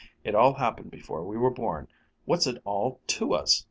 It all happened before we were born. What's it all to us?"